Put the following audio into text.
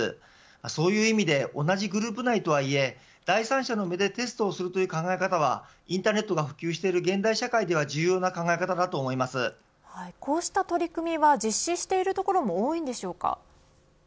そういう意味で同じグループ内とはいえ第三者の目でテストするという考え方はインターネットが普及している現代社会では重要な考え方だとこうした取り組みは実施しているところも多いんでしょうか。